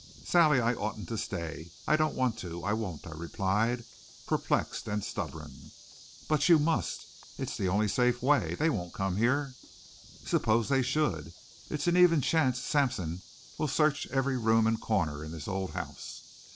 "Sally, I oughtn't to stay. I don't want to I won't," I replied perplexed and stubborn. "But you must. It's the only safe way. They won't come here." "Suppose they should? It's an even chance Sampson'll search every room and corner in this old house.